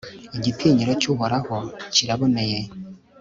igitinyiro cy'uhoraho kiraboneye